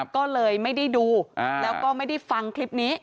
ก็เลยไม่ได้ดูแล้วก็ไม่ได้ฟังคลิปนี้